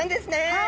はい。